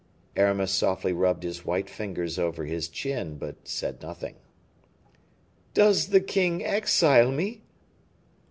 Aramis softly rubbed his white fingers over his chin, but said nothing. "Does the king exile me?"